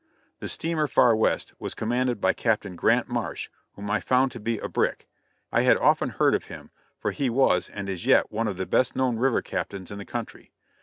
The steamer Far West was commanded by Captain Grant Marsh, whom I found to be a "brick." I had often heard of him, for he was and is yet one of the best known river captains in the country.